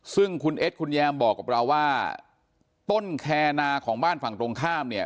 ซึ่งคุณเอ็ดคุณแยมบอกกับเราว่าต้นแคนาของบ้านฝั่งตรงข้ามเนี่ย